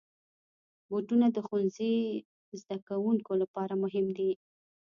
بوټونه د ښوونځي زدهکوونکو لپاره مهم دي.